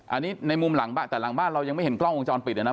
อันนี้ในมุมหลังบ้านแต่หลังบ้านเรายังไม่เห็นกล้องวงจรปิดเลยนะ